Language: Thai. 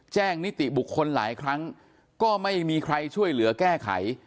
นิติบุคคลหลายครั้งก็ไม่มีใครช่วยเหลือแก้ไข